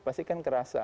pasti kan kerasa